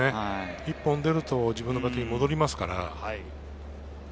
１本出ると自分のバッティングに戻りますから。